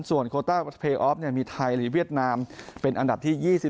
ส่วนโคต้าเพยออฟมีไทยหรือเวียดนามเป็นอันดับที่๒๑